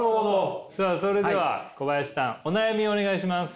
さあそれでは小林さんお悩みをお願いします。